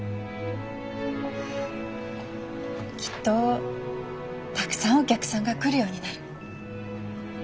きっとたくさんお客さんが来るようになる。